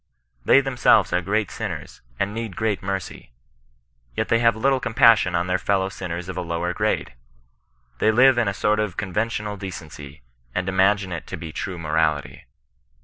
They themselves are' great sinners, and need great mercy: yet they have little compassion on their f£ow sinners of a lower grade. They live in a sort of conven tional decency, and imagine it to be true morality.